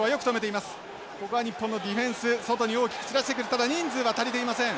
ただ人数は足りていません。